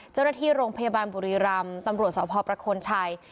เจ้าหน้าที่โรงพยาบาลบุรีรำตำรวจสพประคลชัย